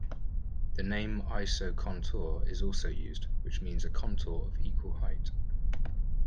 The name isocontour is also used, which means a contour of equal height.